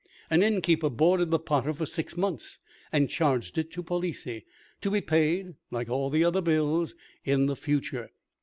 An innkeeper boarded the potter for six months, and charged it to Palissy, to be paid, like all the other bills, in the future.